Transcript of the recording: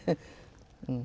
うん。